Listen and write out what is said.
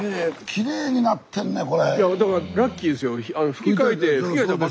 きれいになってるねこれ。